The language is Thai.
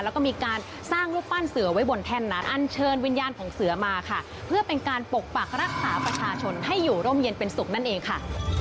แล้วก็มีการสร้างรูปปั้นเสือไว้บนแท่นนั้นอันเชิญวิญญาณของเสือมาค่ะเพื่อเป็นการปกปักรักษาประชาชนให้อยู่ร่มเย็นเป็นสุขนั่นเองค่ะ